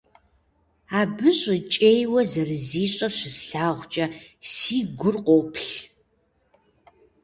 Абы щӀыкӀейуэ зэрызищӀыр щыслъагъукӀэ, си гур къоплъ.